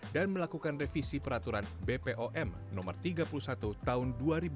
dan melakukan revisi peraturan bpom no tiga puluh satu tahun dua ribu delapan belas